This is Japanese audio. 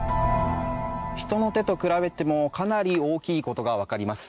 人の手と比べてもかなり大きいことがわかります。